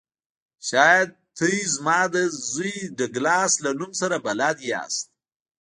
شاید تاسو زما د زوی ډګلاس له نوم سره بلد یاست